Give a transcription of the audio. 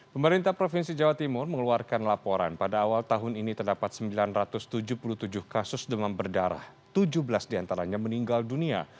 pemerintah provinsi jawa timur mengeluarkan laporan pada awal tahun ini terdapat sembilan ratus tujuh puluh tujuh kasus demam berdarah tujuh belas diantaranya meninggal dunia